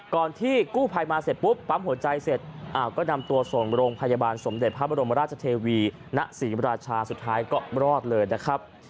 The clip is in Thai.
ที่กู้ภัยมาเสร็จปุ๊บปั๊มหัวใจเสร็จก็นำตัวส่งโรงพยาบาลสมเด็จพระบรมราชเทวีณศรีมราชาสุดท้ายก็รอดเลยนะครับ